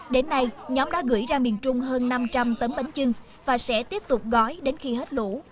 đến nay nhóm đã gửi ra miền trung hơn năm trăm linh tấm bánh trưng và sẽ tiếp tục gói đến khi hết lũ